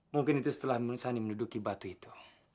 mungkin itu setelah sani menduduki batu itu